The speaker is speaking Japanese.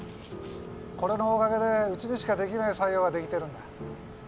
これのおかげでうちでしかできない作業ができてるんだ